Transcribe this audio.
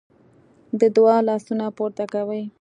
د دعا لاسونه پورته کوي.